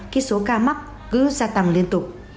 kích số ca mắc cứ gia tăng liên tục